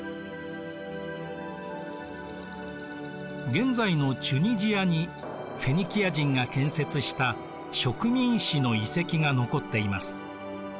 現在のチュニジアにフェニキア人が建設した植民市の遺跡が残っています。